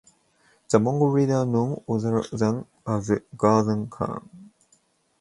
The Mongol leader none other than was Ghazan Khan.